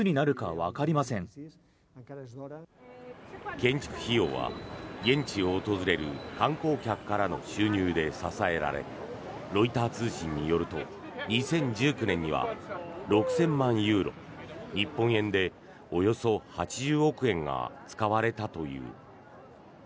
建築費用は現地を訪れる観光客からの収入で支えられロイター通信によると２０１９年には６０００万ユーロ日本円でおよそ８０億円が使われたという。